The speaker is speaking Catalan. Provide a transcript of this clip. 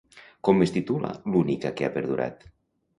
Com es titula l'única que ha perdurat?